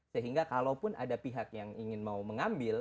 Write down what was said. sehingga kalaupun ada pihak yang ingin mau mengambil